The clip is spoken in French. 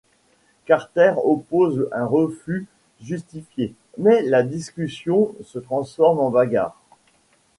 Carter oppose un refus justifié, mais la discussion se transforme en bagarre.